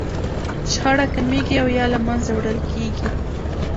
شخړه کمیږي او يا له منځه وړل کېږي.